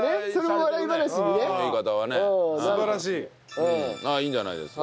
いいんじゃないですか。